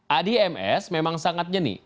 adi ms memang sangat jenih